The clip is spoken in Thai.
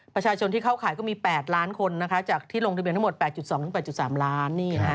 ประชาชนที่เข้าขายก็มี๘ล้านคนจากที่ลงทะเบียนทั้งหมด๘๒๘๓ล้าน